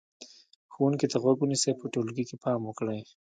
ښوونکي ته غوږ ونیسئ، په ټولګي کې پام وکړئ،